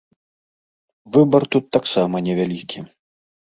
Выбар тут таксама невялікі.